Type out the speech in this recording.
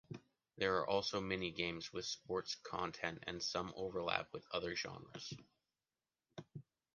There are also mini games with sports content and some overlaps with other genres.